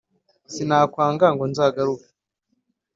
Sinakwanga ngo nzagaruke